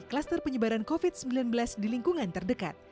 kluster penyebaran covid sembilan belas di lingkungan terdekat